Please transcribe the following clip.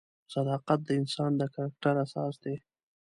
صداقت د انسان د کرکټر اساس دی.